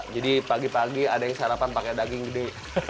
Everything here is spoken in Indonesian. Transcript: jadi pagi pagi ada yang sarapan pakai daging gede